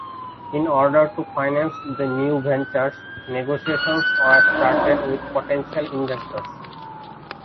In order to finance the new ventures, negotiations were started with potential investors.